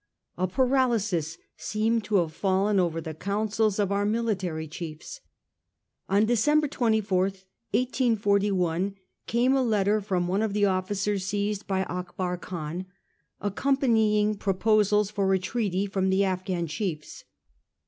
A para lysis seemed to have fallen over the councils of our military chiefs. On December 24, 1841, came a letter from one of the officers seized by Akbar Khan, accompanying proposals for a treaty from the Afghan chiefs.